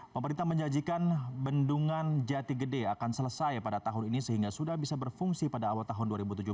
pemerintah menjanjikan bendungan jati gede akan selesai pada tahun ini sehingga sudah bisa berfungsi pada awal tahun dua ribu tujuh belas